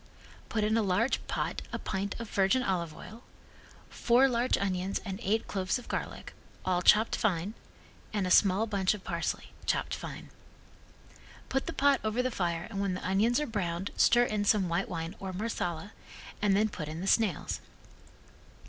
Put in a large pot a pint of virgin olive oil, four large onions and eight cloves of garlic, all chopped fine, and a small bunch of parsley, chopped fine. Put the pot over the fire and when the onions are browned stir in some white wine or Marsala and then put in the snails.